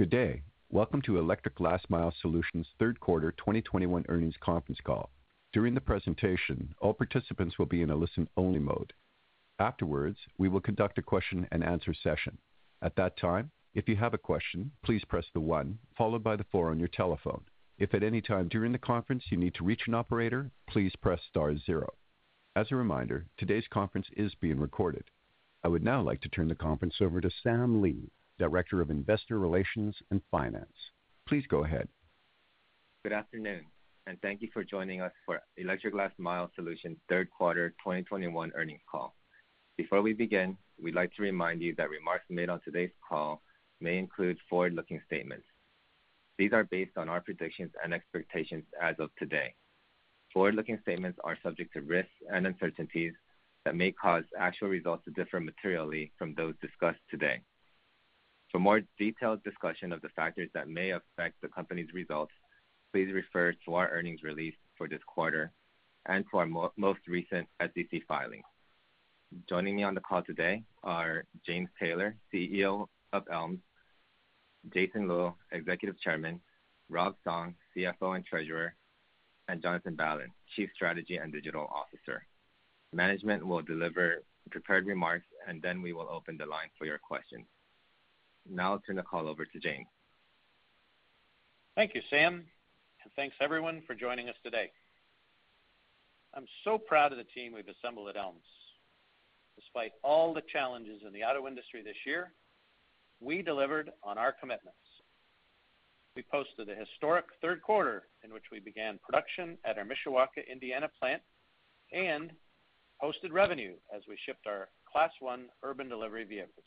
Good day. Welcome to Electric Last Mile Solutions third quarter 2021 earnings conference call. During the presentation, all participants will be in a listen-only mode. Afterwards, we will conduct a question-and-answer session. At that time, if you have a question, please press the 1 followed by the 4 on your telephone. If at any time during the conference you need to reach an operator, please press star 0. As a reminder, today's conference is being recorded. I would now like to turn the conference over to Sam Lee, Director of Investor Relations and Finance. Please go ahead. Good afternoon, and thank you for joining us for Electric Last Mile Solutions third quarter 2021 earnings call. Before we begin, we'd like to remind you that remarks made on today's call may include forward-looking statements. These are based on our predictions and expectations as of today. Forward-looking statements are subject to risks and uncertainties that may cause actual results to differ materially from those discussed today. For more detailed discussion of the factors that may affect the company's results, please refer to our earnings release for this quarter and for our most recent SEC filing. Joining me on the call today are James Taylor, CEO of ELMS, Jason Luo, Executive Chairman, Rob Song, CFO and Treasurer, and Jonathan Ballon, Chief Strategy and Digital Officer. Management will deliver prepared remarks, and then we will open the line for your questions. Now I'll turn the call over to James. Thank you, Sam, and thanks, everyone, for joining us today. I'm so proud of the team we've assembled at ELMS. Despite all the challenges in the auto industry this year, we delivered on our commitments. We posted a historic third quarter in which we began production at our Mishawaka, Indiana plant and posted revenue as we shipped our Class 1 Urban Delivery vehicles.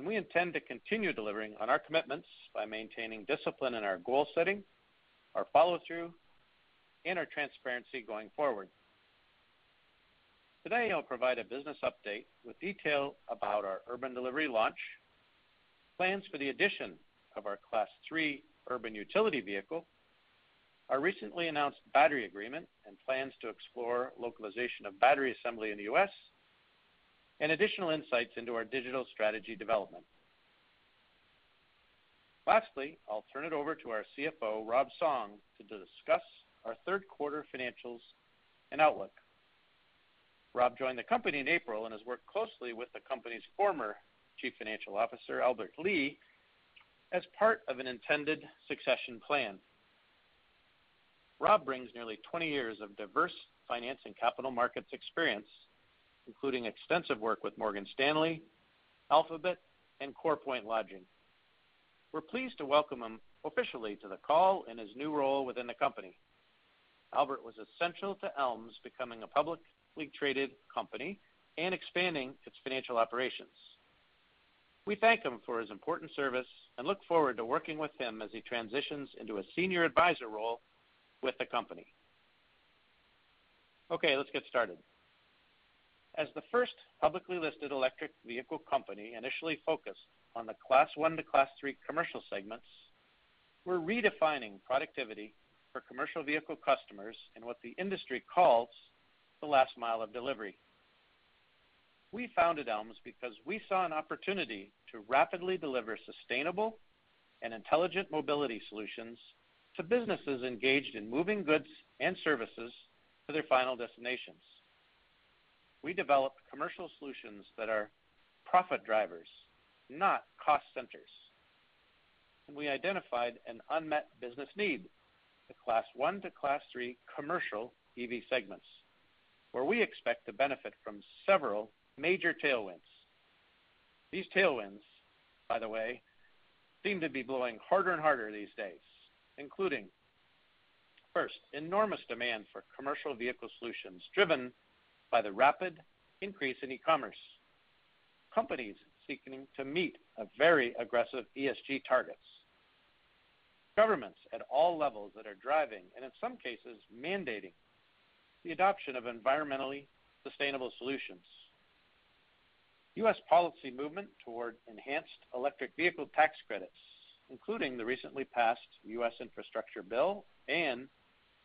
We intend to continue delivering on our commitments by maintaining discipline in our goal setting, our follow-through, and our transparency going forward. Today, I'll provide a business update with detail about our Urban Delivery launch, plans for the addition of our Class 3 Urban Utility vehicle, our recently announced battery agreement, and plans to explore localization of battery assembly in the U.S., and additional insights into our digital strategy development. Lastly, I'll turn it over to our CFO, Rob Song, to discuss our third quarter financials and outlook. Rob joined the company in April and has worked closely with the company's former Chief Financial Officer, Albert Li, as part of an intended succession plan. Rob brings nearly 20 years of diverse finance and capital markets experience, including extensive work with Morgan Stanley, Alphabet, and CorePoint Lodging. We're pleased to welcome him officially to the call in his new role within the company. Albert was essential to ELMS becoming a publicly traded company and expanding its financial operations. We thank him for his important service and look forward to working with him as he transitions into a senior advisor role with the company. Okay, let's get started. As the first publicly listed electric vehicle company initially focused on the Class 1 to Class 3 commercial segments, we're redefining productivity for commercial vehicle customers in what the industry calls the last mile of delivery. We founded ELMS because we saw an opportunity to rapidly deliver sustainable and intelligent mobility solutions to businesses engaged in moving goods and services to their final destinations. We developed commercial solutions that are profit drivers, not cost centers. We identified an unmet business need, the Class 1 to Class 3 commercial EV segments, where we expect to benefit from several major tailwinds. These tailwinds, by the way, seem to be blowing harder and harder these days, including, first, enormous demand for commercial vehicle solutions driven by the rapid increase in e-commerce, companies seeking to meet a very aggressive ESG targets, governments at all levels that are driving, and in some cases mandating, the adoption of environmentally sustainable solutions. U.S. policy movement toward enhanced electric vehicle tax credits, including the recently passed U.S. infrastructure bill and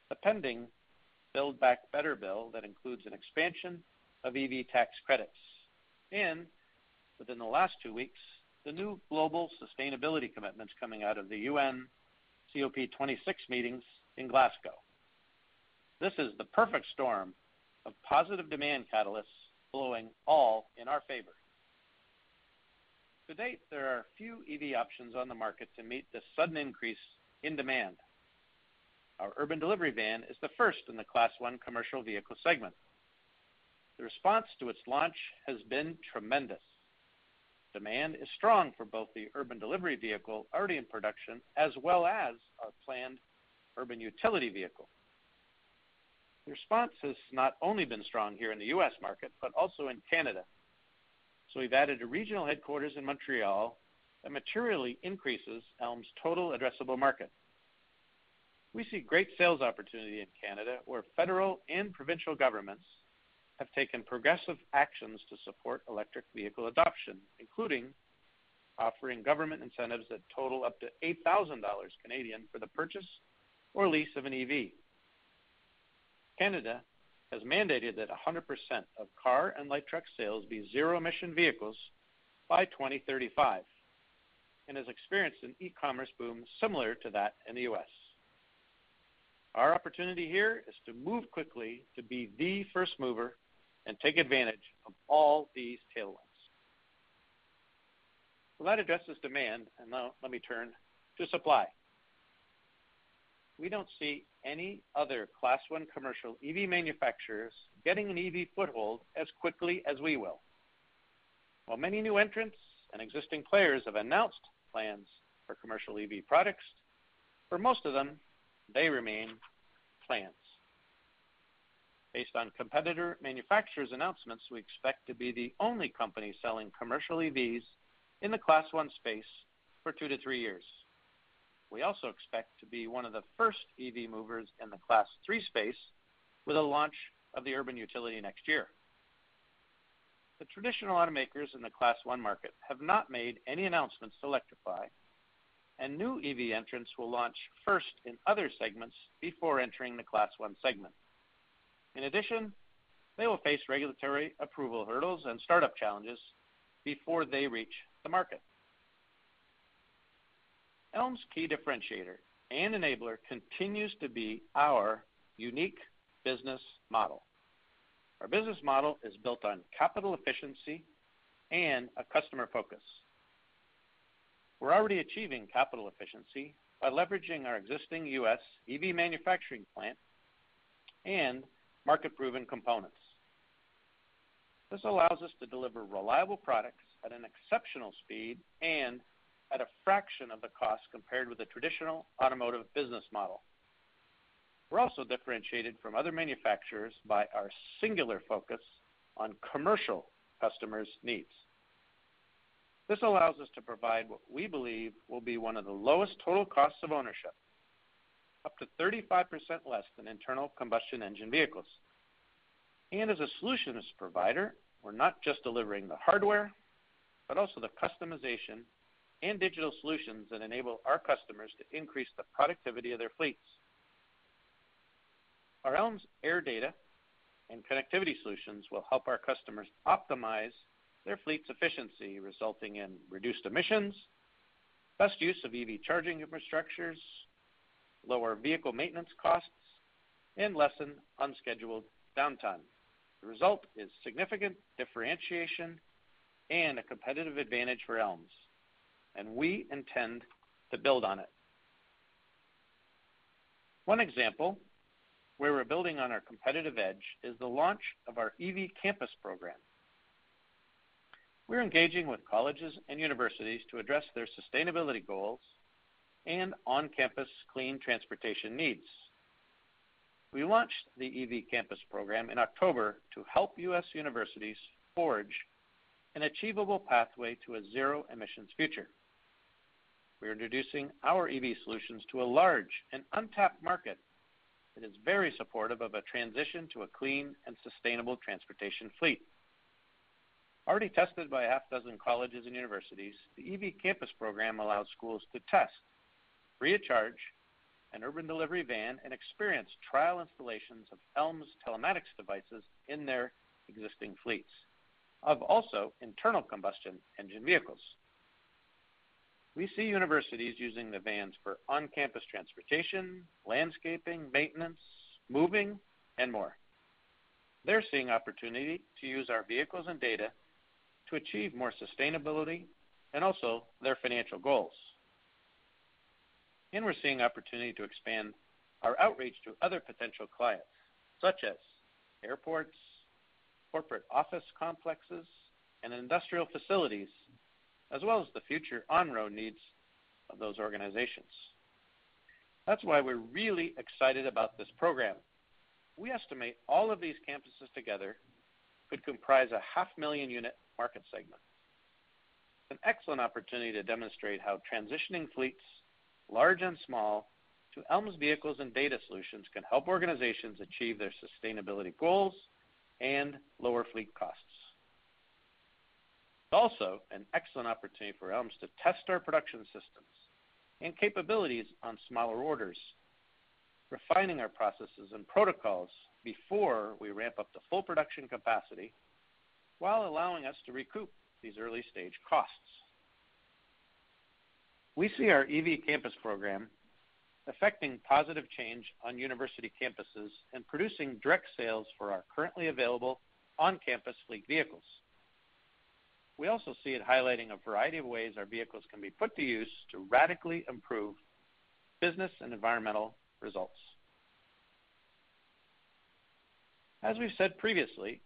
the pending Build Back Better bill that includes an expansion of EV tax credits. Within the last two weeks, the new global sustainability commitments coming out of the UN COP26 meetings in Glasgow. This is the perfect storm of positive demand catalysts blowing all in our favor. To date, there are few EV options on the market to meet the sudden increase in demand. Our Urban Delivery van is the first in the Class 1 commercial vehicle segment. The response to its launch has been tremendous. Demand is strong for both the Urban Delivery vehicle already in production, as well as our planned Urban Utility vehicle. The response has not only been strong here in the U.S. market but also in Canada. We've added a regional headquarters in Montreal that materially increases ELMS' total addressable market. We see great sales opportunity in Canada, where federal and provincial governments have taken progressive actions to support electric vehicle adoption, including offering government incentives that total up to 8,000 Canadian dollars for the purchase or lease of an EV. Canada has mandated that 100% of car and light truck sales be zero-emission vehicles by 2035 and has experienced an e-commerce boom similar to that in the U.S. Our opportunity here is to move quickly to be the first mover and take advantage of all these tailwinds. That addresses demand, and now let me turn to supply. We don't see any other Class 1 commercial EV manufacturers getting an EV foothold as quickly as we will. While many new entrants and existing players have announced plans for commercial EV products, for most of them, they remain plans. Based on competitor manufacturers' announcements, we expect to be the only company selling commercial EVs in the Class 1 space for 2-3 years. We also expect to be one of the first EV movers in the Class 3 space with a launch of the Urban Utility next year. The traditional automakers in the Class 1 market have not made any announcements to electrify, and new EV entrants will launch first in other segments before entering the Class 1 segment. In addition, they will face regulatory approval hurdles and startup challenges before they reach the market. ELMS' key differentiator and enabler continues to be our unique business model. Our business model is built on capital efficiency and a customer focus. We're already achieving capital efficiency by leveraging our existing U.S. EV manufacturing plant and market-proven components. This allows us to deliver reliable products at an exceptional speed and at a fraction of the cost compared with the traditional automotive business model. We're also differentiated from other manufacturers by our singular focus on commercial customers' needs. This allows us to provide what we believe will be one of the lowest total costs of ownership, up to 35% less than internal combustion engine vehicles. As a solutions provider, we're not just delivering the hardware, but also the customization and digital solutions that enable our customers to increase the productivity of their fleets. Our ELMS AIR data and connectivity solutions will help our customers optimize their fleet's efficiency, resulting in reduced emissions, best use of EV charging infrastructures, lower vehicle maintenance costs, and lessen unscheduled downtime. The result is significant differentiation and a competitive advantage for ELMS, and we intend to build on it. One example where we're building on our competitive edge is the launch of our EV Campus program. We're engaging with colleges and universities to address their sustainability goals and on-campus clean transportation needs. We launched the EV Campus program in October to help U.S. universities forge an achievable pathway to a zero-emissions future. We're introducing our EV solutions to a large and untapped market that is very supportive of a transition to a clean and sustainable transportation fleet. Already tested by a half dozen colleges and universities, the EV Campus program allows schools to test, free of charge, an urban delivery van and experience trial installations of ELMS telematics devices in their existing fleets of also internal combustion engine vehicles. We see universities using the vans for on-campus transportation, landscaping, maintenance, moving, and more. They're seeing opportunity to use our vehicles and data to achieve more sustainability and also their financial goals. We're seeing opportunity to expand our outreach to other potential clients, such as airports, corporate office complexes, and industrial facilities, as well as the future on-road needs of those organizations. That's why we're really excited about this program. We estimate all of these campuses together could comprise a 500,000-unit market segment. It's an excellent opportunity to demonstrate how transitioning fleets, large and small, to ELMS vehicles and data solutions can help organizations achieve their sustainability goals and lower fleet costs. It's also an excellent opportunity for ELMS to test our production systems and capabilities on smaller orders, refining our processes and protocols before we ramp up to full production capacity while allowing us to recoup these early-stage costs. We see our EV Campus program affecting positive change on university campuses and producing direct sales for our currently available on-campus fleet vehicles. We also see it highlighting a variety of ways our vehicles can be put to use to radically improve business and environmental results. As we've said previously,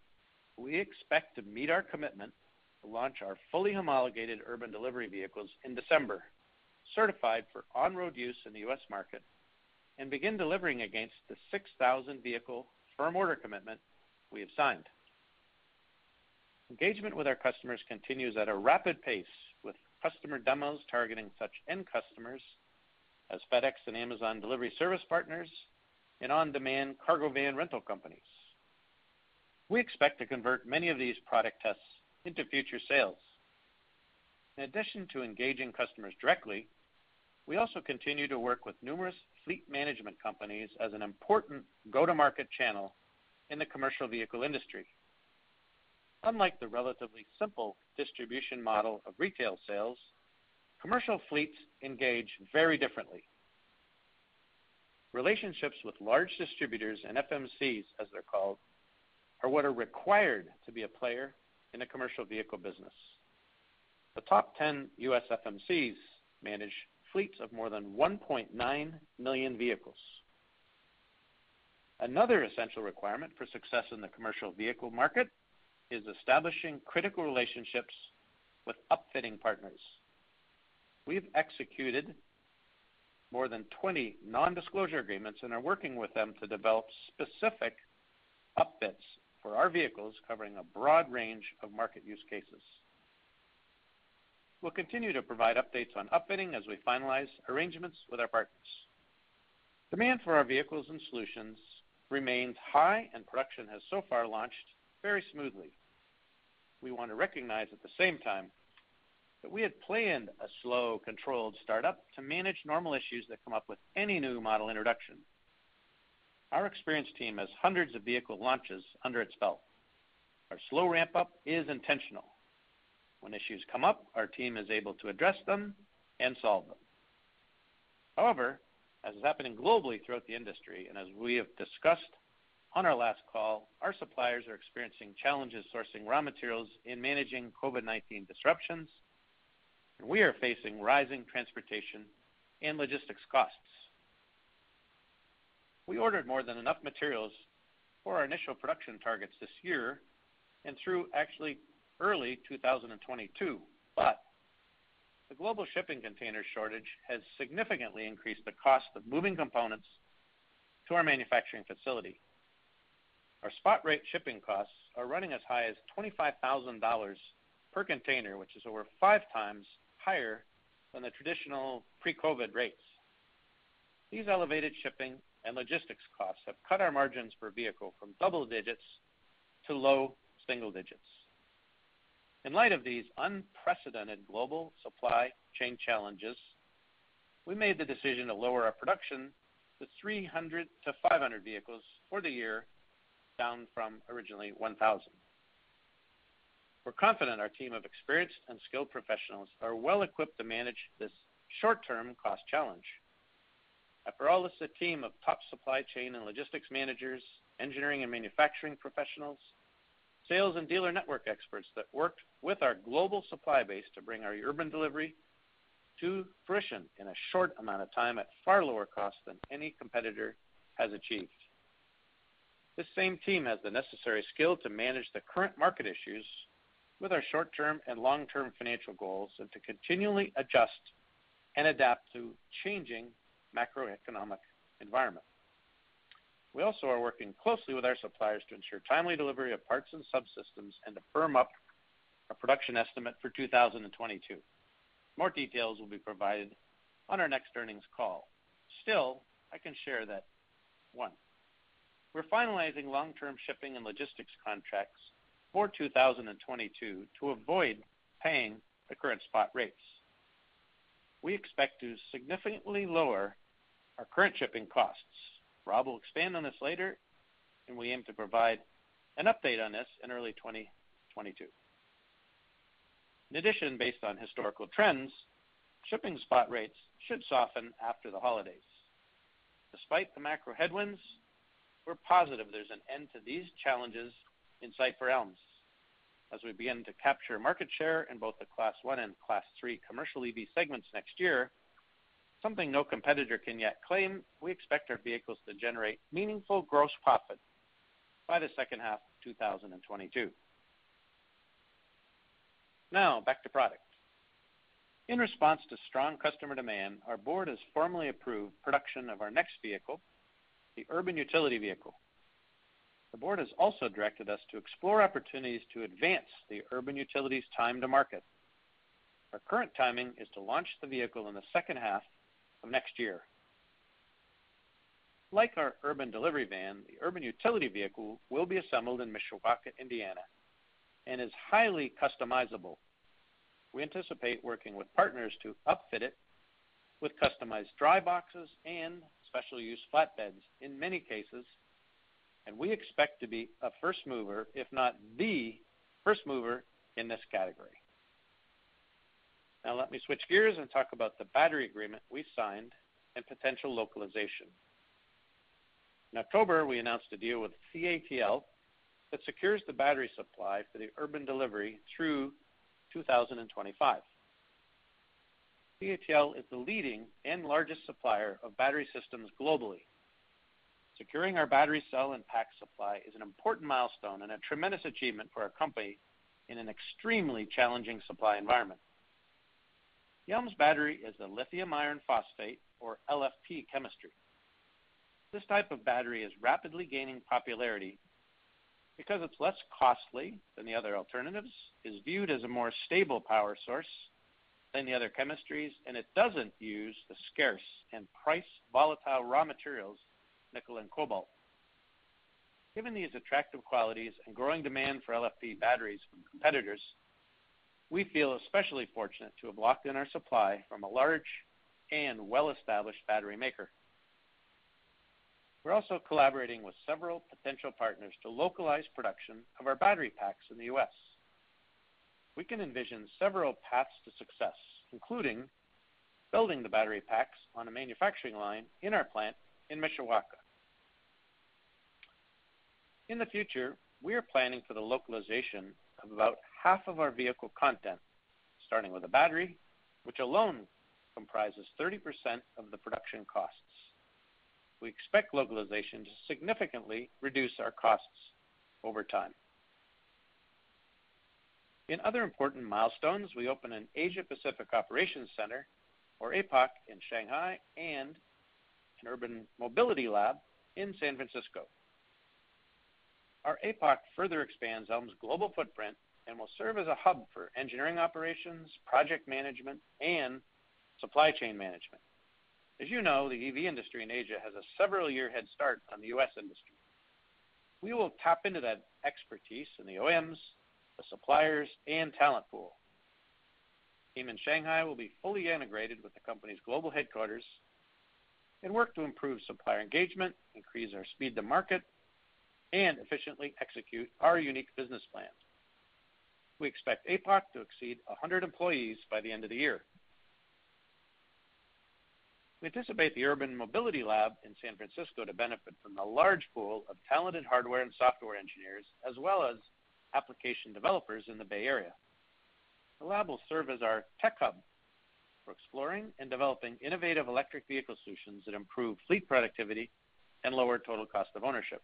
we expect to meet our commitment to launch our fully homologated urban delivery vehicles in December, certified for on-road use in the U.S. market, and begin delivering against the 6,000-vehicle firm order commitment we have signed. Engagement with our customers continues at a rapid pace, with customer demos targeting such end customers as FedEx and Amazon delivery service partners and on-demand cargo van rental companies. We expect to convert many of these product tests into future sales. In addition to engaging customers directly, we also continue to work with numerous fleet management companies as an important go-to-market channel in the commercial vehicle industry. Unlike the relatively simple distribution model of retail sales, commercial fleets engage very differently. Relationships with large distributors and FMCs, as they're called, are what are required to be a player in the commercial vehicle business. The top ten U.S. FMCs manage fleets of more than 1.9 million vehicles. Another essential requirement for success in the commercial vehicle market is establishing critical relationships with upfitting partners. We've executed more than 20 non-disclosure agreements and are working with them to develop specific upfits for our vehicles, covering a broad range of market use cases. We'll continue to provide updates on upfitting as we finalize arrangements with our partners. Demand for our vehicles and solutions remains high, and production has so far launched very smoothly. We want to recognize at the same time that we had planned a slow, controlled startup to manage normal issues that come up with any new model introduction. Our experienced team has hundreds of vehicle launches under its belt. Our slow ramp-up is intentional. When issues come up, our team is able to address them and solve them. However, as is happening globally throughout the industry, and as we have discussed on our last call, our suppliers are experiencing challenges sourcing raw materials and managing COVID-19 disruptions, and we are facing rising transportation and logistics costs. We ordered more than enough materials for our initial production targets this year and through actually early 2022. The global shipping container shortage has significantly increased the cost of moving components to our manufacturing facility. Our spot rate shipping costs are running as high as $25,000 per container, which is over five times higher than the traditional pre-COVID rates. These elevated shipping and logistics costs have cut our margins per vehicle from double digits to low single digits. In light of these unprecedented global supply chain challenges, we made the decision to lower our production to 300-500 vehicles for the year, down from originally 1,000. We're confident our team of experienced and skilled professionals are well equipped to manage this short-term cost challenge. After all, this is a team of top supply chain and logistics managers, engineering and manufacturing professionals, sales and dealer network experts that worked with our global supply base to bring our Urban Delivery to fruition in a short amount of time at far lower cost than any competitor has achieved. This same team has the necessary skill to manage the current market issues with our short-term and long-term financial goals and to continually adjust and adapt to changing macroeconomic environment. We also are working closely with our suppliers to ensure timely delivery of parts and subsystems and to firm up our production estimate for 2022. More details will be provided on our next earnings call. Still, I can share that one, we're finalizing long-term shipping and logistics contracts for 2022 to avoid paying the current spot rates. We expect to significantly lower our current shipping costs. Rob will expand on this later, and we aim to provide an update on this in early 2022. In addition, based on historical trends, shipping spot rates should soften after the holidays. Despite the macro headwinds, we're positive there's an end to these challenges in sight for ELMS as we begin to capture market share in both the Class 1 and Class 3 commercial EV segments next year, something no competitor can yet claim. We expect our vehicles to generate meaningful gross profit by the second half of 2022. Now back to product. In response to strong customer demand, our board has formally approved production of our next vehicle, the Urban Utility vehicle. The board has also directed us to explore opportunities to advance the Urban Utility's time to market. Our current timing is to launch the vehicle in the second half of next year. Like our Urban Delivery van, the Urban Utility vehicle will be assembled in Mishawaka, Indiana, and is highly customizable. We anticipate working with partners to upfit it with customized dry boxes and special use flatbeds in many cases, and we expect to be a first mover, if not the first mover in this category. Now let me switch gears and talk about the battery agreement we signed and potential localization. In October, we announced a deal with CATL that secures the battery supply for the Urban Delivery through 2025. CATL is the leading and largest supplier of battery systems globally. Securing our battery cell and pack supply is an important milestone and a tremendous achievement for our company in an extremely challenging supply environment. ELMS battery is a lithium iron phosphate or LFP chemistry. This type of battery is rapidly gaining popularity because it's less costly than the other alternatives, is viewed as a more stable power source than the other chemistries, and it doesn't use the scarce and price volatile raw materials, nickel and cobalt. Given these attractive qualities and growing demand for LFP batteries from competitors, we feel especially fortunate to have locked in our supply from a large and well-established battery maker. We're also collaborating with several potential partners to localize production of our battery packs in the U.S. We can envision several paths to success, including building the battery packs on a manufacturing line in our plant in Mishawaka. In the future, we are planning for the localization of about half of our vehicle content, starting with a battery, which alone comprises 30% of the production costs. We expect localization to significantly reduce our costs over time. In other important milestones, we opened an Asia-Pacific operations center or APOC in Shanghai and an urban mobility lab in San Francisco. Our APOC further expands ELMS's global footprint and will serve as a hub for engineering operations, project management, and supply chain management. As you know, the EV industry in Asia has a several-year head start on the U.S. industry. We will tap into that expertise in the OEMs, the suppliers and talent pool. Team in Shanghai will be fully integrated with the company's global headquarters and work to improve supplier engagement, increase our speed to market, and efficiently execute our unique business plans. We expect APOC to exceed 100 employees by the end of the year. We anticipate the urban mobility lab in San Francisco to benefit from the large pool of talented hardware and software engineers, as well as application developers in the Bay Area. The lab will serve as our tech hub for exploring and developing innovative electric vehicle solutions that improve fleet productivity and lower total cost of ownership.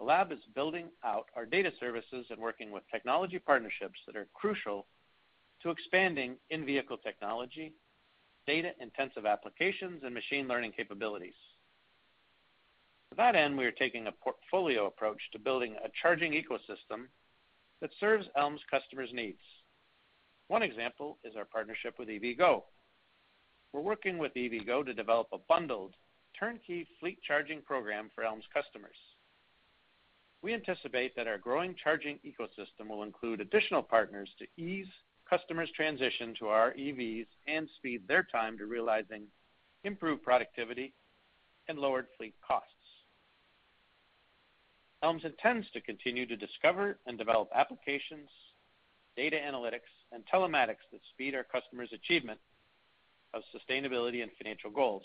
The lab is building out our data services and working with technology partnerships that are crucial to expanding in-vehicle technology, data-intensive applications, and machine learning capabilities. To that end, we are taking a portfolio approach to building a charging ecosystem that serves ELMS's customers' needs. One example is our partnership with EVgo. We're working with EVgo to develop a bundled turnkey fleet charging program for ELMS's customers. We anticipate that our growing charging ecosystem will include additional partners to ease customers' transition to our EVs and speed their time to realizing improved productivity and lowered fleet costs. ELMS intends to continue to discover and develop applications, data analytics, and telematics that speed our customers' achievement of sustainability and financial goals.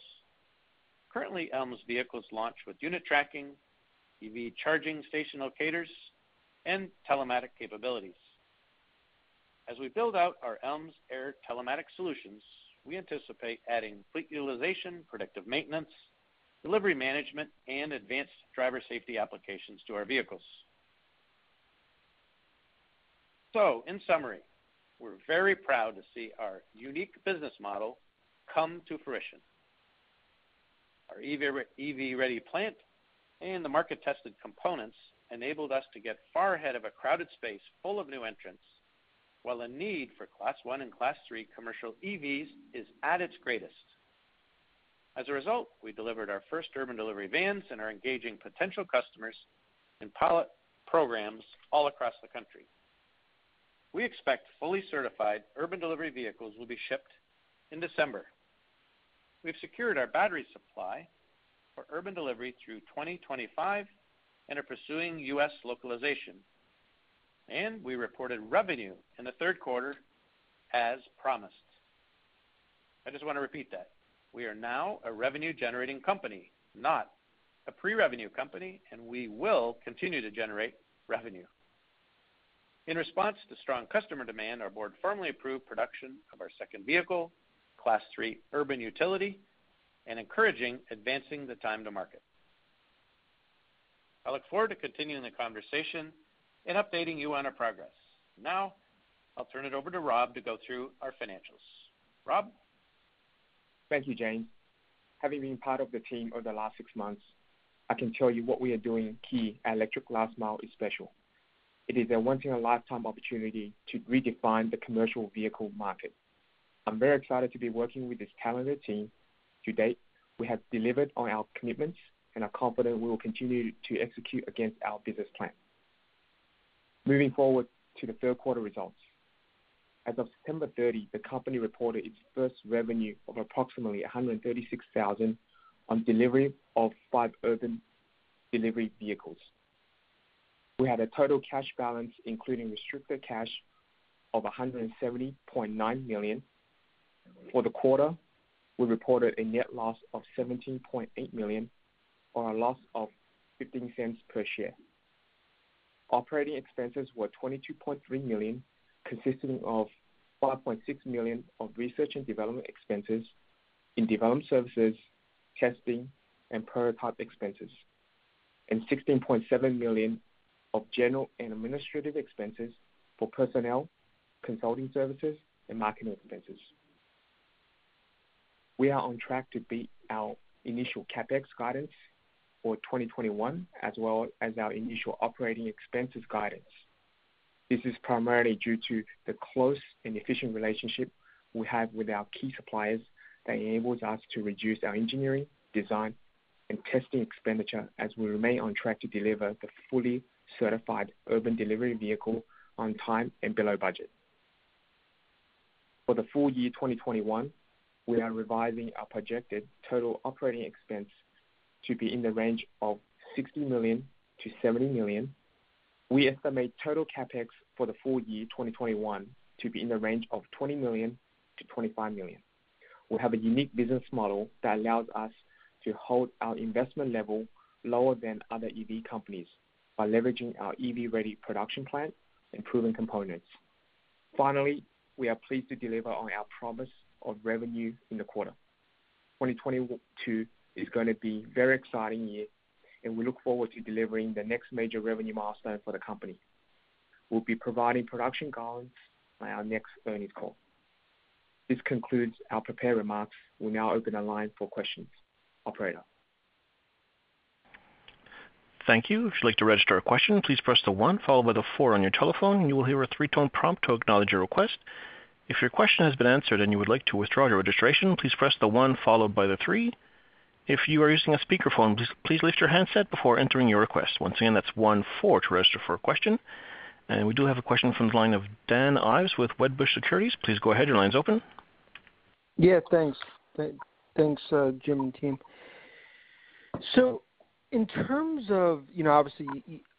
Currently, ELMS's vehicles launch with unit tracking, EV charging station locators, and telematic capabilities. As we build out our ELMS AIR telematic solutions, we anticipate adding fleet utilization, predictive maintenance, delivery management, and advanced driver safety applications to our vehicles. In summary, we're very proud to see our unique business model come to fruition. Our EV ready plant and the market-tested components enabled us to get far ahead of a crowded space full of new entrants, while a need for Class 1 and Class 3 commercial EVs is at its greatest. As a result, we delivered our first Urban Delivery vans and are engaging potential customers in pilot programs all across the country. We expect fully certified Urban Delivery vehicles will be shipped in December. We've secured our battery supply for Urban Delivery through 2025 and are pursuing U.S. localization, and we reported revenue in the third quarter as promised. I just wanna repeat that. We are now a revenue-generating company, not a pre-revenue company, and we will continue to generate revenue. In response to strong customer demand, our board firmly approved production of our second vehicle, Class 3 Urban Utility, and encouraging advancing the time to market. I look forward to continuing the conversation and updating you on our progress. Now I'll turn it over to Rob to go through our financials. Rob? Thank you, James. Having been part of the team over the last six months, I can tell you what we are doing at Electric Last Mile is special. It is a once in a lifetime opportunity to redefine the commercial vehicle market. I'm very excited to be working with this talented team. To date, we have delivered on our commitments and are confident we will continue to execute against our business plan. Moving forward to the third quarter results. As of September 30, the company reported its first revenue of approximately $136 thousand on delivery of 5 Urban Delivery vehicles. We had a total cash balance, including restricted cash of $170.9 million. For the quarter, we reported a net loss of $17.8 million or a loss of $0.15 per share. Operating expenses were $22.3 million, consisting of $5.6 million of research and development expenses in development services, testing, and prototype expenses, and $16.7 million of general and administrative expenses for personnel, consulting services, and marketing expenses. We are on track to beat our initial CapEx guidance for 2021, as well as our initial operating expenses guidance. This is primarily due to the close and efficient relationship we have with our key suppliers that enables us to reduce our engineering, design, and testing expenditure as we remain on track to deliver the fully certified Urban Delivery vehicle on time and below budget. For the full year 2021, we are revising our projected total operating expense to be in the range of $60 million-$70 million. We estimate total CapEx for the full year 2021 to be in the range of $20 million-$25 million. We have a unique business model that allows us to hold our investment level lower than other EV companies by leveraging our EV-ready production plant and proven components. Finally, we are pleased to deliver on our promise of revenue in the quarter. 2022 is gonna be a very exciting year, and we look forward to delivering the next major revenue milestone for the company. We'll be providing production guidance on our next earnings call. This concludes our prepared remarks. We'll now open the line for questions. Operator. Thank you. If you'd like to register a question, please press the 1 followed by the 4 on your telephone. You will hear a 3-tone prompt to acknowledge your request. If your question has been answered and you would like to withdraw your registration, please press the 1 followed by the 3. If you are using a speakerphone, please lift your handset before entering your request. Once again, that's 1 4 to register for a question. We do have a question from the line of Dan Ives with Wedbush Securities. Please go ahead. Your line's open. Yeah, thanks, Jim and team. In terms of, you know, obviously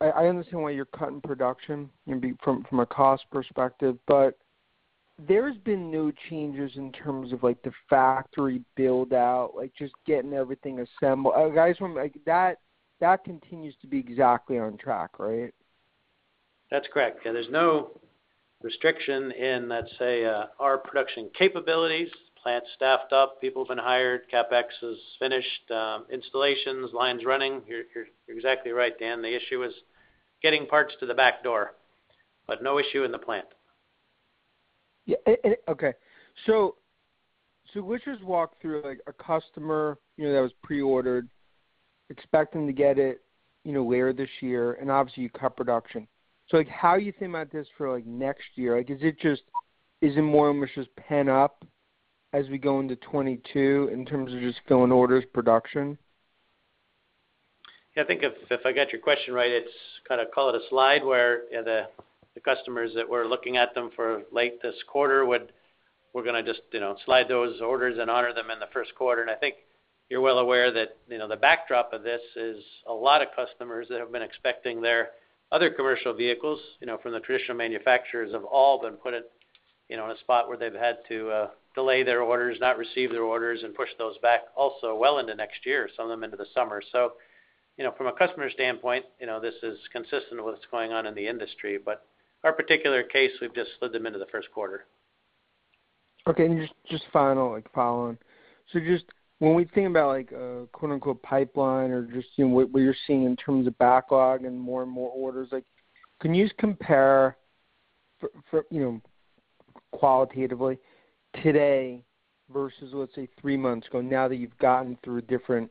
I understand why you're cutting production, you know, from a cost perspective, but there's been no changes in terms of, like, the factory build out, like, just getting everything assembled. I just wonder, like, that continues to be exactly on track, right? That's correct. Yeah, there's no restriction in, let's say, our production capabilities. Plant staffed up, people have been hired, CapEx is finished, installations, lines running. You're exactly right, Dan. The issue is getting parts to the back door, but no issue in the plant. Yeah. Okay. Let's just walk through, like, a customer, you know, that has pre-ordered, expecting to get it, you know, later this year, and obviously you cut production. Like, how you think about this for, like, next year? Like, is it more or less just pent up as we go into 2022 in terms of just filling orders, production? Yeah, I think if I got your question right, it's kinda call it a slide where, you know, the customers that we're looking at them for late this quarter we're gonna just, you know, slide those orders and honor them in the first quarter. I think you're well aware that, you know, the backdrop of this is a lot of customers that have been expecting their other commercial vehicles, you know, from the traditional manufacturers have all been put at, you know, in a spot where they've had to delay their orders, not receive their orders, and push those back also well into next year, some of them into the summer. You know, from a customer standpoint, you know, this is consistent with what's going on in the industry. Our particular case, we've just slid them into the first quarter. Okay, just final, like, follow on. Just when we think about like, quote-unquote, pipeline or just, you know, what you're seeing in terms of backlog and more and more orders, like, can you just compare for, you know, qualitatively today versus, let's say, three months ago, now that you've gotten through different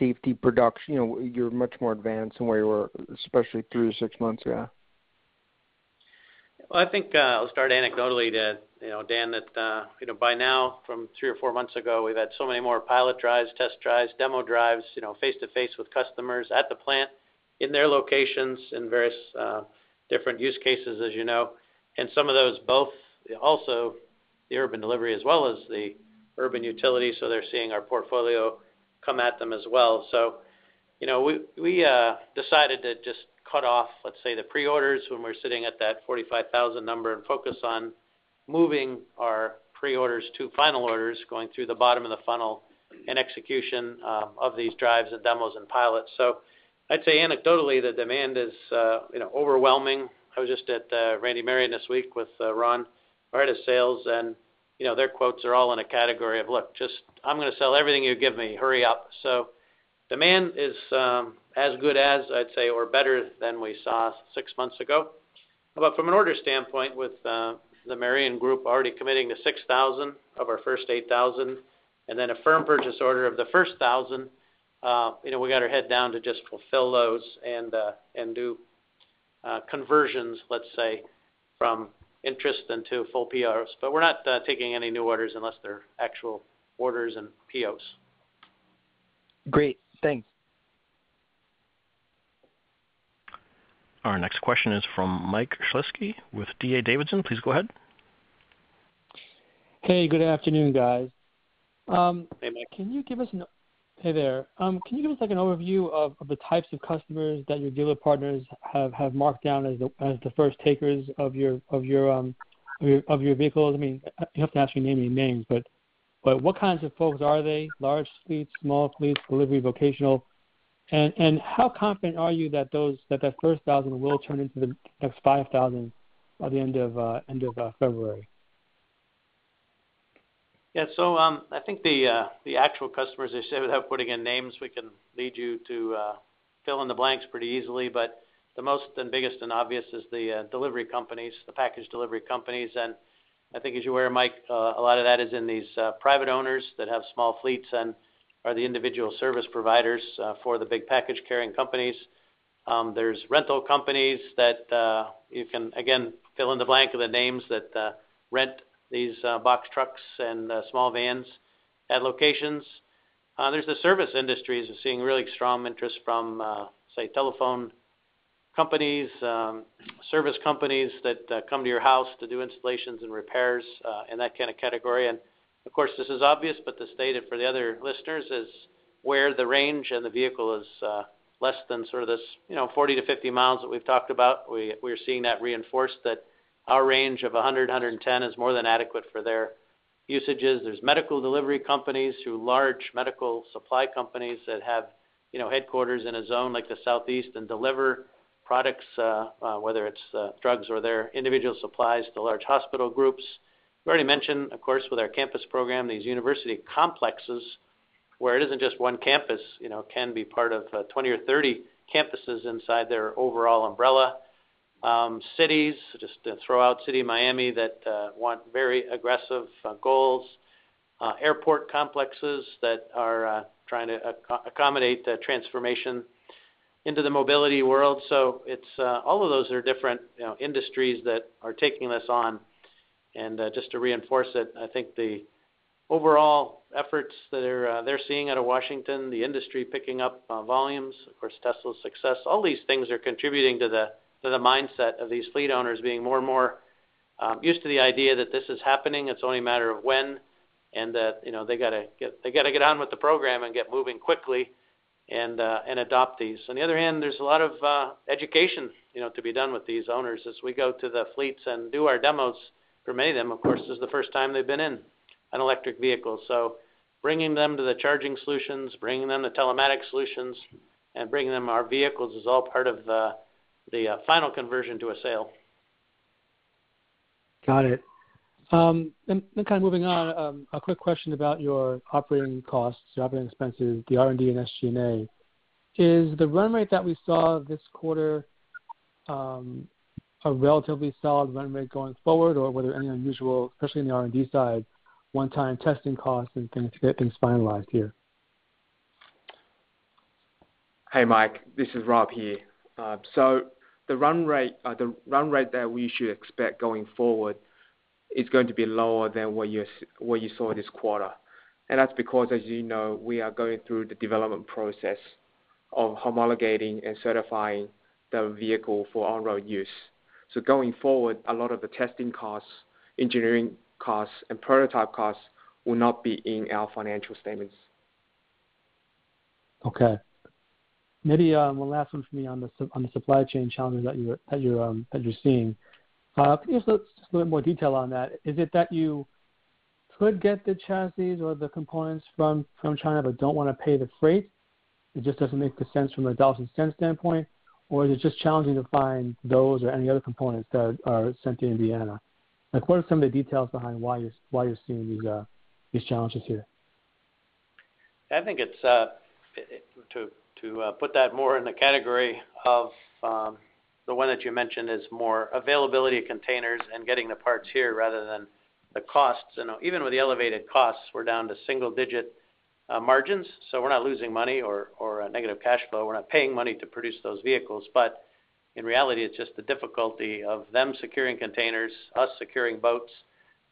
safety production, you know, you're much more advanced than where you were, especially three to six months ago? Well, I think I'll start anecdotally to you know, Dan, that you know, by now, from three or four months ago, we've had so many more pilot drives, test drives, demo drives, you know, face to face with customers at the plant, in their locations, in various different use cases, as you know. Some of those, both, also the Urban Delivery as well as the Urban Utility, so they're seeing our portfolio come at them as well. You know, we decided to just cut off, let's say, the pre-orders when we're sitting at that 45,000 number and focus on moving our pre-orders to final orders, going through the bottom of the funnel and execution of these drives and demos and pilots. I'd say anecdotally that demand is you know, overwhelming. I was just at Randy Marion this week with Ron, our head of sales, and, you know, their quotes are all in a category of, "Look, just I'm gonna sell everything you give me. Hurry up." Demand is as good as I'd say or better than we saw six months ago. From an order standpoint, with the Marion Group already committing to 6,000 of our first 8,000 and then a firm purchase order of the first 1,000, you know, we got our head down to just fulfill those and do conversions, let's say, from interest into full POs. We're not taking any new orders unless they're actual orders and POs. Great. Thanks. Our next question is from Michael Shlisky with D.A. Davidson. Please go ahead. Hey, good afternoon, guys. Hey, Mike. Can you give us, like, an overview of the types of customers that your dealer partners have marked down as the first takers of your vehicles? I mean, you don't have to actually name any names, but what kinds of folks are they? Large fleets, small fleets, delivery, vocational? How confident are you that those 1,000 will turn into the next 5,000 by the end of February? Yeah, I think the actual customers, as I said, without putting in names, we can lead you to fill in the blanks pretty easily, but the most and biggest and obvious is the delivery companies, the package delivery companies. I think as you're aware, Mike, a lot of that is in these private owners that have small fleets and are the individual service providers for the big package carrying companies. There's rental companies that you can again fill in the blank of the names that rent these box trucks and small vans at locations. We're seeing really strong interest from the service industries, say telephone companies, service companies that come to your house to do installations and repairs, and that kind of category. Of course, this is obvious, but to state it for the other listeners is where the range and the vehicle is, less than sort of this, you know, 40-50 miles that we've talked about. We're seeing that reinforced that our range of 110 is more than adequate for their usages. There's medical delivery companies who large medical supply companies that have, you know, headquarters in a zone like the Southeast and deliver products, whether it's, drugs or their individual supplies to large hospital groups. We already mentioned, of course, with our campus program, these university complexes where it isn't just one campus, you know, can be part of, 20 or 30 campuses inside their overall umbrella. Cities, just to throw out City of Miami that want very aggressive goals, airport complexes that are trying to accommodate the transformation into the mobility world. It's all of those are different, you know, industries that are taking this on. Just to reinforce it, I think the overall efforts that they're seeing out of Washington, the industry picking up volumes, of course, Tesla's success, all these things are contributing to the mindset of these fleet owners being more and more used to the idea that this is happening. It's only a matter of when, and that, you know, they gotta get on with the program and get moving quickly and adopt these. On the other hand, there's a lot of education, you know, to be done with these owners as we go to the fleets and do our demos for many of them, of course, this is the first time they've been in an electric vehicle. Bringing them to the charging solutions, bringing them the telematics solutions and bringing them our vehicles is all part of the final conversion to a sale. Got it. Kind of moving on, a quick question about your operating costs, your operating expenses, the R&D and SG&A. Is the run rate that we saw this quarter a relatively solid run rate going forward or were there any unusual, especially in the R&D side, one time testing costs and things, get things finalized here? Hey, Mike, this is Rob here. The run rate that we should expect going forward is going to be lower than what you saw this quarter. That's because as you know, we are going through the development process of homologating and certifying the vehicle for on-road use. Going forward, a lot of the testing costs, engineering costs and prototype costs will not be in our financial statements. Okay. Maybe one last one for me on the supply chain challenges that you're seeing. Can you just give us a little more detail on that? Is it that you could get the chassis or the components from China, but don't wanna pay the freight? It just doesn't make sense from a dollars and cents standpoint, or is it just challenging to find those or any other components that are sent to Indiana? Like what are some of the details behind why you're seeing these challenges here? I think it's to put that more in the category of the one that you mentioned is more availability of containers and getting the parts here rather than the costs. You know, even with the elevated costs, we're down to single-digit margins, so we're not losing money or a negative cash flow. We're not paying money to produce those vehicles. But in reality, it's just the difficulty of them securing containers, us securing boats,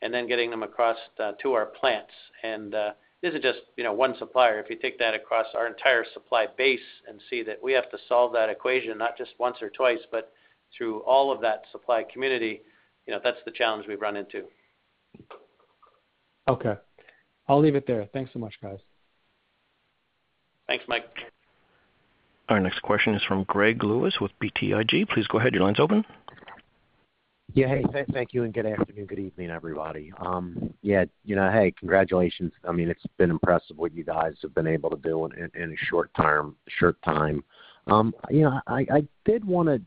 and then getting them across to our plants. This is just, you know, one supplier. If you take that across our entire supply base and see that we have to solve that equation not just once or twice, but through all of that supply community, you know, that's the challenge we've run into. Okay. I'll leave it there. Thanks so much guys. Thanks, Mike. Our next question is from Greg Lewis with BTIG. Please go ahead, your line's open. Yeah. Hey, thank you and good afternoon, good evening, everybody. Yeah, you know, hey, congratulations. I mean, it's been impressive what you guys have been able to do in a short term, short time. You know, I did wanna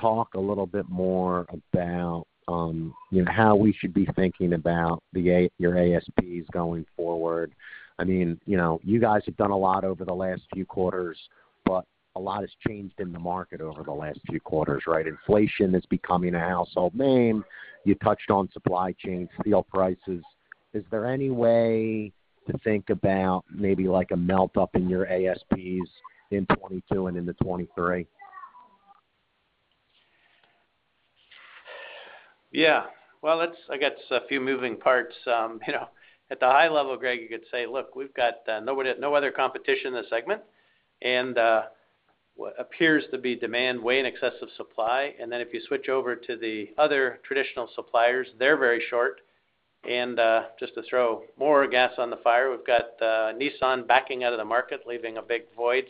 talk a little bit more about, you know, how we should be thinking about your ASPs going forward. I mean, you know, you guys have done a lot over the last few quarters, but a lot has changed in the market over the last few quarters, right? Inflation is becoming a household name. You touched on supply chain, steel prices. Is there any way to think about maybe like a melt up in your ASPs in 2022 and into 2023? Yeah. Well, it's, I guess a few moving parts. You know, at the high level, Greg, you could say, look, we've got nobody, no other competition in the segment and what appears to be demand way in excess of supply. Then if you switch over to the other traditional suppliers, they're very short. Just to throw more gas on the fire, we've got Nissan backing out of the market leaving a big void.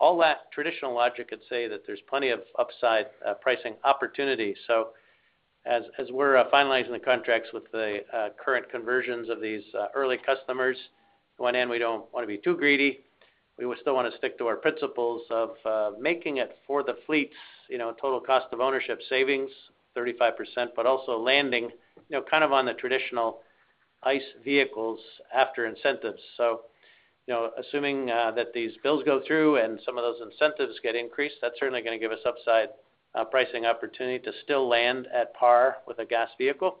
All that traditional logic could say that there's plenty of upside pricing opportunity. As we're finalizing the contracts with the current conversations of these early customers, on one hand we don't wanna be too greedy. We would still wanna stick to our principles of making it for the fleets, you know, total cost of ownership savings 35%, but also landing, you know, kind of on the traditional ICE vehicles after incentives. You know, assuming that these bills go through and some of those incentives get increased, that's certainly gonna give us upside pricing opportunity to still land at par with a gas vehicle.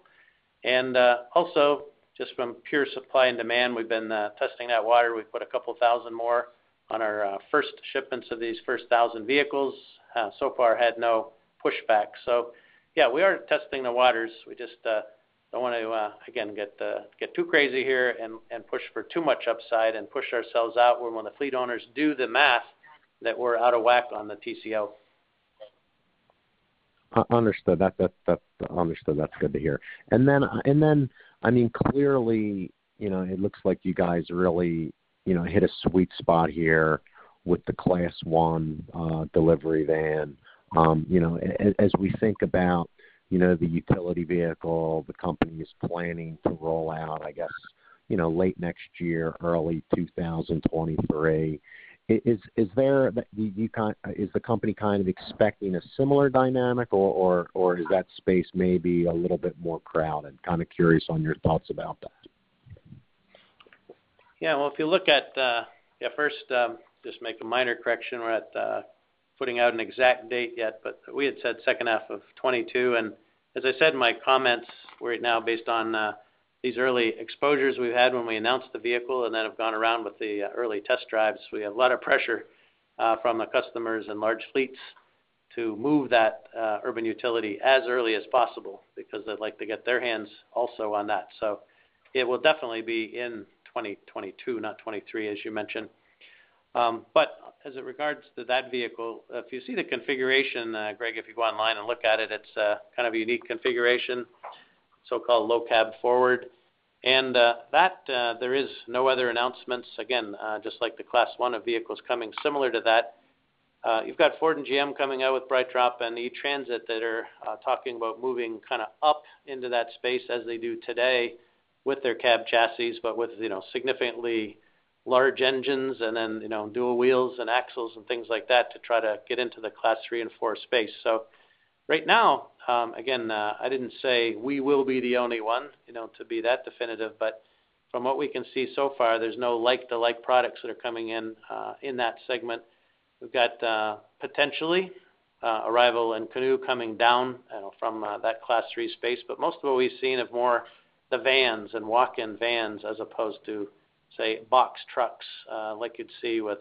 Also, just from pure supply and demand, we've been testing that water. We've put a couple thousand more on our first shipments of these first 1,000 vehicles so far had no pushback. Yeah, we are testing the waters. We just don't wanna again get too crazy here and push for too much upside and push ourselves out where when the fleet owners do the math that we're out of whack on the TCO. Understood. That's good to hear. I mean, clearly, you know, it looks like you guys really, you know, hit a sweet spot here with the Class 1 delivery van. You know, as we think about, you know, the utility vehicle the company is planning to roll out, I guess, you know, late next year, early 2023, is the company kind of expecting a similar dynamic or is that space maybe a little bit more crowded? Kinda curious on your thoughts about that. Just make a minor correction. We're not putting out an exact date yet, but we had said second half of 2022. As I said in my comments right now, based on these early exposures we've had when we announced the vehicle and then have gone around with the early test drives, we have a lot of pressure from the customers and large fleets to move that Urban Utility as early as possible because they'd like to get their hands also on that. It will definitely be in 2022, not 2023, as you mentioned. As regards to that vehicle, if you see the configuration, Greg, if you go online and look at it's a kind of a unique configuration, so-called low cab forward. That there is no other announcements, again, just like the Class 1 of vehicles coming similar to that. You've got Ford and GM coming out with BrightDrop and E-Transit that are talking about moving kinda up into that space as they do today with their cab chassis, but with, you know, significantly large engines and then, you know, dual wheels and axles and things like that to try to get into the Class 3 and 4 space. Right now, again, I didn't say we will be the only one, you know, to be that definitive, but from what we can see so far, there's no like to like products that are coming in in that segment. We've got potentially Arrival and Canoo coming down from that Class 3 space. Most of what we've seen are more the vans and walk-in vans as opposed to, say, box trucks like you'd see with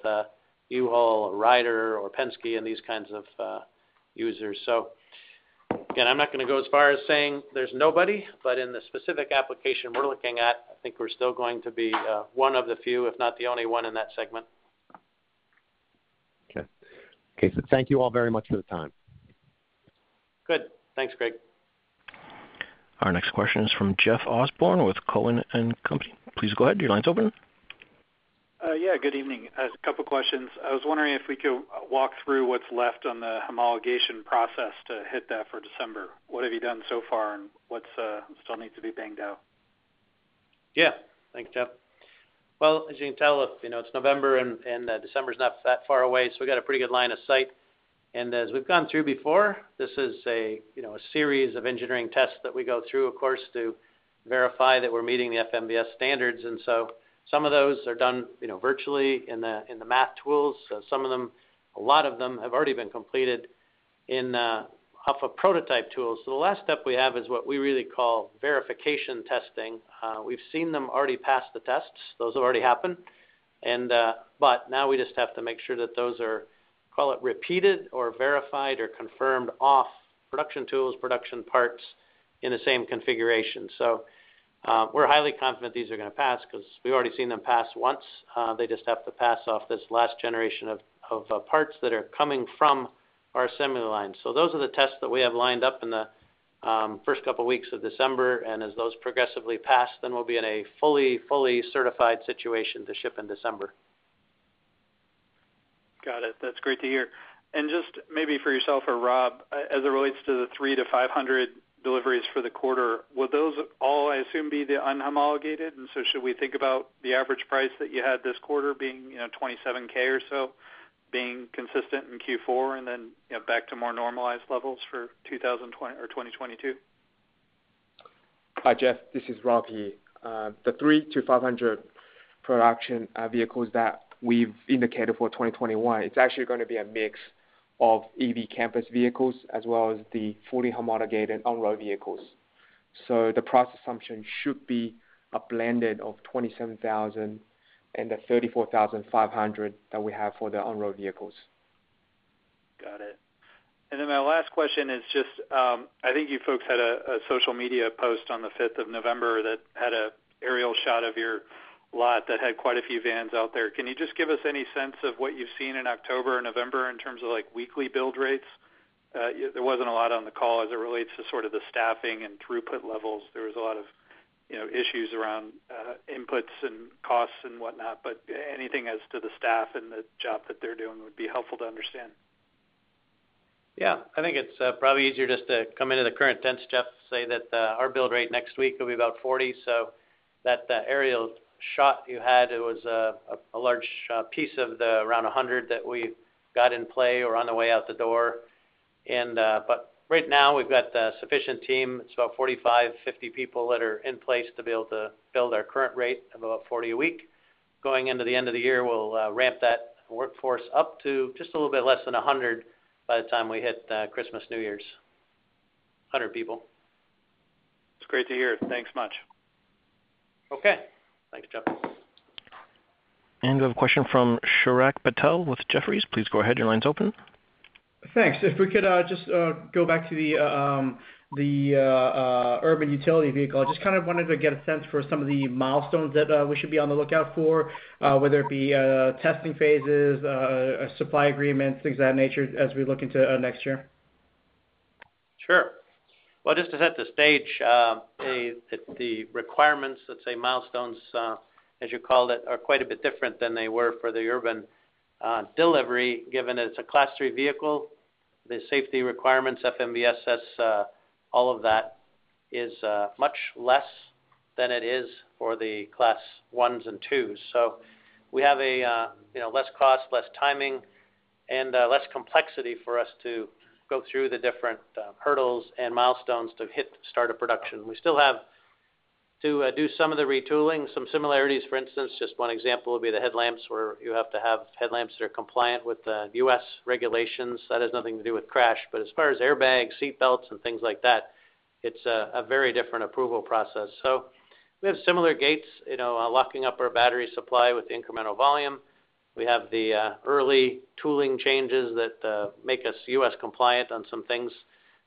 U-Haul or Ryder or Penske and these kinds of users. Again, I'm not gonna go as far as saying there's nobody, but in the specific application we're looking at, I think we're still going to be one of the few, if not the only one in that segment. Okay, thank you all very much for the time. Good. Thanks, Greg. Our next question is from Jeff Osborne with Cowen and Company. Please go ahead. Your line's open. Yeah, good evening. I have a couple questions. I was wondering if we could walk through what's left on the homologation process to hit that for December. What have you done so far, and what's still needs to be banged out? Yeah. Thanks, Jeff. Well, as you can tell, you know, it's November and December's not that far away, so we got a pretty good line of sight. As we've gone through before, this is you know a series of engineering tests that we go through, of course, to verify that we're meeting the FMVSS standards. Some of those are done, you know, virtually in the math tools. Some of them, a lot of them have already been completed in off of prototype tools. The last step we have is what we really call verification testing. We've seen them already pass the tests. Those have already happened. Now we just have to make sure that those are, call it, repeated or verified or confirmed off production tools, production parts in the same configuration. We're highly confident these are gonna pass 'cause we've already seen them pass once. They just have to pass off this last generation of parts that are coming from our assembly line. Those are the tests that we have lined up in the first couple weeks of December. As those progressively pass, then we'll be in a fully certified situation to ship in December. Got it. That's great to hear. Just maybe for yourself or Rob, as it relates to the 300-500 deliveries for the quarter, will those all, I assume, be the unhomologated? Should we think about the average price that you had this quarter being, you know, $27,000 or so being consistent in Q4 and then, you know, back to more normalized levels for 2022? Hi, Jeff. This is Rob here. The 300-500 production vehicles that we've indicated for 2021, it's actually gonna be a mix of EV Campus vehicles as well as the fully homologated on-road vehicles. The price assumption should be a blend of $27,000 and the $34,500 that we have for the on-road vehicles. Got it. My last question is just, I think you folks had a social media post on the fifth of November that had an aerial shot of your lot that had quite a few vans out there. Can you just give us any sense of what you've seen in October and November in terms of, like, weekly build rates? There wasn't a lot on the call as it relates to sort of the staffing and throughput levels. There was a lot of, you know, issues around, inputs and costs and whatnot, but anything as to the staff and the job that they're doing would be helpful to understand. Yeah. I think it's probably easier just to come into the current tense, Jeff, say that our build rate next week will be about 40. That aerial shot you had, it was a large piece of around a 100 that we got in play or on the way out the door. Right now we've got the sufficient team. It's about 45, 50 people that are in place to be able to build our current rate of about 40 a week. Going into the end of the year, we'll ramp that workforce up to just a little bit less than a 100 by the time we hit Christmas, New Year's. 100 people. It's great to hear. Thanks much. Okay. Thanks, Jeff. We have a question from Chirag Patel with Jefferies. Please go ahead. Your line's open. Thanks. If we could just go back to the Urban Utility vehicle. I just kind of wanted to get a sense for some of the milestones that we should be on the lookout for, whether it be testing phases, supply agreements, things of that nature as we look into next year. Sure. Well, just to set the stage, the requirements, let's say milestones, as you called it, are quite a bit different than they were for the Urban Delivery, given that it's a Class 3 vehicle. The safety requirements FMVSS, all of that is much less than it is for the Class 1s and 2s. We have you know, less cost, less timing and less complexity for us to go through the different hurdles and milestones to hit start of production. We still have to do some of the retooling, some similarities, for instance, just one example would be the headlamps where you have to have headlamps that are compliant with the U.S. regulations. That has nothing to do with crash, but as far as airbags, seat belts and things like that, it's a very different approval process. We have similar gates, you know, locking up our battery supply with incremental volume. We have the early tooling changes that make us U.S. compliant on some things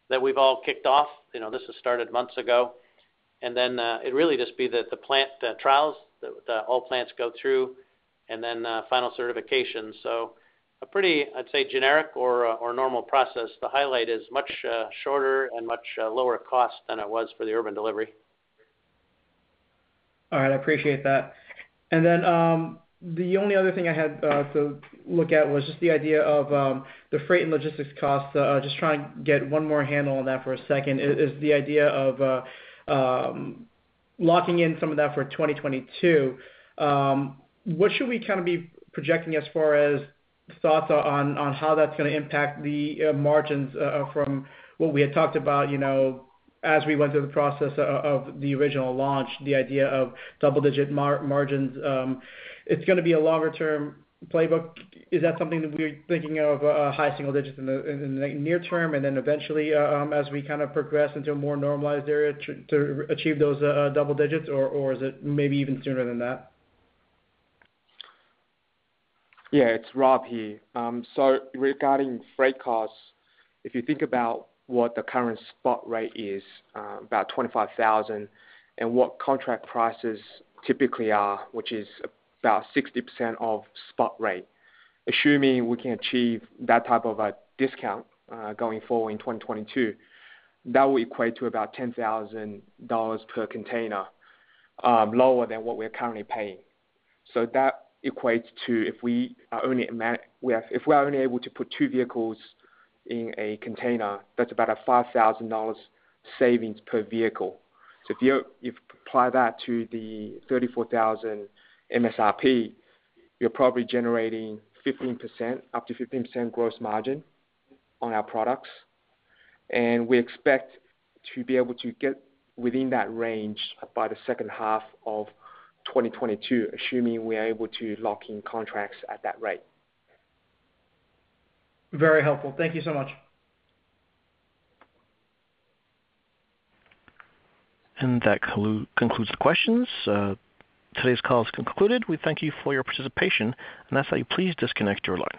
that we've all kicked off. You know, this has started months ago. It'd really just be the plant, the trials that all plants go through and then final certification. A pretty, I'd say, generic or normal process. The highlight is much shorter and much lower cost than it was for the Urban Delivery. All right. I appreciate that. The only other thing I had to look at was just the idea of the freight and logistics costs. Just trying to get one more handle on that for a second, the idea of locking in some of that for 2022. What should we kinda be projecting as far as thoughts on how that's gonna impact the margins from what we had talked about, you know, as we went through the process of the original launch, the idea of double-digit margins? It's gonna be a longer term playbook. Is that something that we're thinking of, high single digits in the near term, and then eventually, as we kinda progress into a more normalized area to achieve those, double digits or is it maybe even sooner than that? Yeah, it's Rob here. Regarding freight costs, if you think about what the current spot rate is, about 25,000, and what contract prices typically are, which is about 60% of spot rate. Assuming we can achieve that type of a discount, going forward in 2022, that will equate to about $10,000 per container, lower than what we're currently paying. That equates to if we are only able to put two vehicles in a container, that's about a $5,000 savings per vehicle. If you apply that to the 34,000 MSRP, you're probably generating 15%, up to 15% gross margin on our products. We expect to be able to get within that range by the second half of 2022, assuming we are able to lock in contracts at that rate. Very helpful. Thank you so much. That concludes the questions. Today's call is concluded. We thank you for your participation and ask that you please disconnect your line.